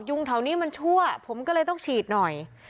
งแถวนี้มันชั่วผมก็เลยต้องฉีดหน่อย